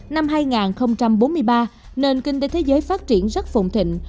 năm hai nghìn bốn mươi ba nền kinh tế thế giới phát triển rất phùng thịnh